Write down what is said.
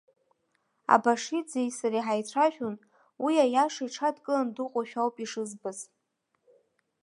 Абашиӡеи сареи ҳаицәажәон, уи аиаша иҽадкылан дыҟоушәа ауп ишызбаз.